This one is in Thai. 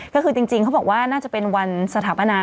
ก็คือจริงเขาบอกว่าน่าจะเป็นวันสถาปนา